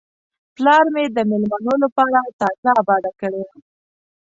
پلار مې د میلمنو لپاره تازه آباده کړې وه.